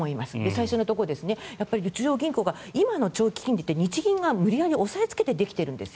最初のところ、中央銀行が今の長期金利って日銀が無理やり押さえつけてできているんです